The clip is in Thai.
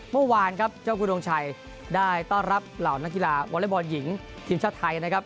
เมื่อวานครับเจ้าคุณดวงชัยได้ต้อนรับเหล่านักกีฬาวอเล็กบอลหญิงทีมชาติไทยนะครับ